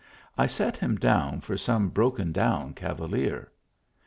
I set him down for some broken down cavalier.